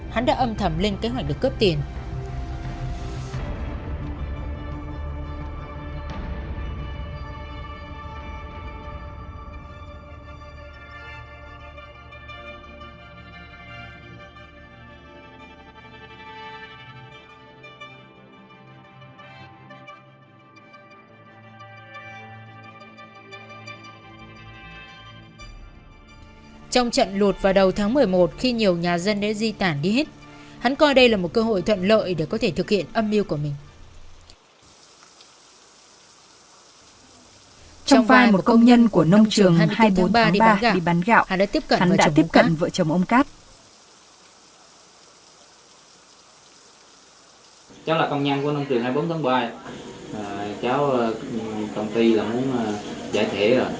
trong vai một công nhân của nông trường hai mươi bốn tháng ba đi bán gạo hắn đã tiếp cận vợ chồng ông cát